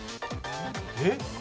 えっ？